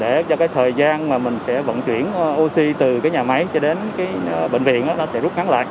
để cho cái thời gian mà mình sẽ vận chuyển oxy từ cái nhà máy cho đến cái bệnh viện nó sẽ rút ngắn lại